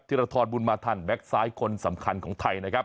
รทรบุญมาทันแก๊กซ้ายคนสำคัญของไทยนะครับ